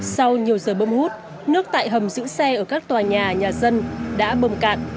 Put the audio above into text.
sau nhiều giờ bâm hút nước tại hầm giữ xe ở các tòa nhà nhà dân đã bâm cạn